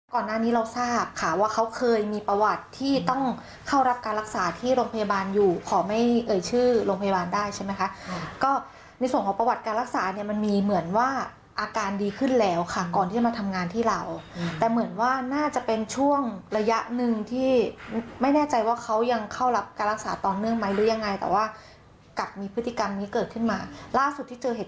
ก่อนหน้านี้เราทราบค่ะว่าเขาเคยมีประวัติที่ต้องเข้ารับการรักษาที่โรงพยาบาลอยู่ขอไม่เอ่ยชื่อโรงพยาบาลได้ใช่ไหมคะก็ในส่วนของประวัติการรักษาเนี่ยมันมีเหมือนว่าอาการดีขึ้นแล้วค่ะก่อนที่จะมาทำงานที่เราแต่เหมือนว่าน่าจะเป็นช่วงระยะหนึ่งที่ไม่แน่ใจว่าเขายังเข้ารับการรักษาต่อเนื่องไหมหรือยังไงแต่ว่ากลับมีพฤติกรรมนี้เกิดขึ้นมาล่าสุดที่เจอเหตุ